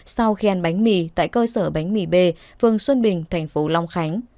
sau khi ăn bánh mì tại cơ sở bánh mì b phường xuân bình tp long khánh